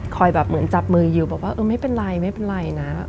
แบบเหมือนจับมืออยู่บอกว่าเออไม่เป็นไรไม่เป็นไรนะ